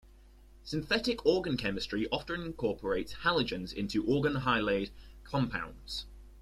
Synthetic organic chemistry often incorporates halogens into organohalide compounds.